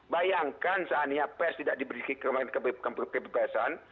bayangkan saatnya pers tidak diberi kekebibasan